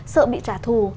sợ bị trả thù